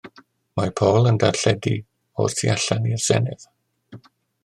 Mae Paul yn darlledu o'r tu allan i'r Senedd.